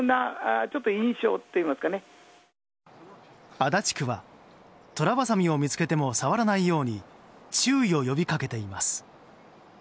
足立区はトラバサミを見つけても触らないように注意を呼びかけています。